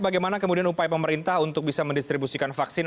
bagaimana kemudian upaya pemerintah untuk bisa mendistribusikan vaksin